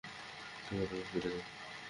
তোমার রুমে ফিরে যাও।